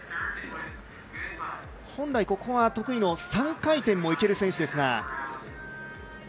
本来、ここは得意の３回転も行ける選手ですが。